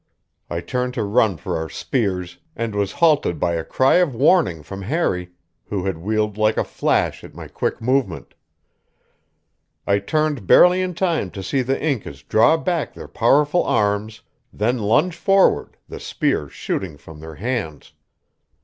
I turned to run for our spears, and was halted by a cry of warning from Harry, who had wheeled like a flash at my quick movement. I turned barely in time to see the Incas draw back their powerful arms, then lunge forward, the spears shooting from their hands.